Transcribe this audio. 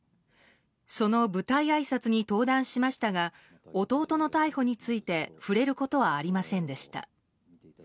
その舞台あいさつに登壇しましたが弟の逮捕について触れることはありませんでした。